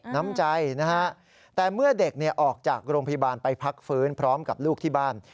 น้ำใจนะฮะแต่เมื่อเด็กออกจากโรงพยาบาลไปพักฟื้นพร้อมกับลูกที่บ้าน